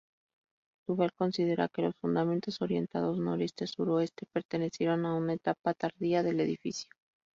Duval considera que los fundamentos orientados noreste-suroeste pertenecieron a una etapa tardía del edificio.